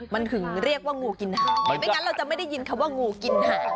มันถึงเรียกว่างูกินหางไม่งั้นเราจะไม่ได้ยินคำว่างูกินหาง